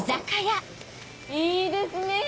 いいですねぇ！